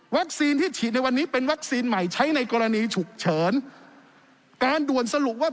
วัคซีนที่ฉีดในวันนี้เป็นวัคซีนใหม่ใช้ในกรณีฉุกเฉิน